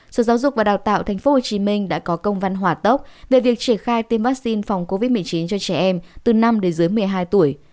sở giáo dục và đào tạo tp hcm đã có công văn hỏa tốc về việc triển khai tiêm vaccine phòng covid một mươi chín cho trẻ em từ năm đến dưới một mươi hai tuổi